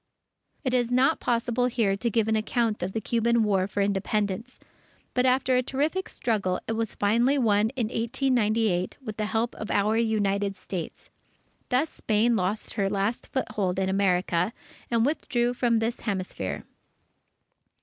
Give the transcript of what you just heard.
It is not possible here to give an account of the Cuban War for Independence. But after a terrific struggle, it was finally won in 1898, with the help of our United States. Thus Spain lost her last foothold in America, and withdrew from this hemisphere.